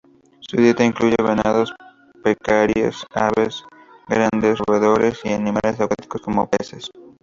Su dieta incluye venados, pecaríes, aves, grandes roedores, y animales acuáticos como peces.